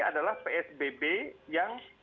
adalah psbb yang